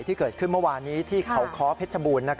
ที่เกิดขึ้นเมื่อวานนี้ที่เขาค้อเพชรบูรณ์